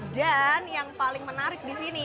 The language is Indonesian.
dan yang paling menarik di sini